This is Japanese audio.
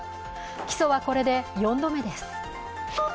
起訴はこれで４度目です。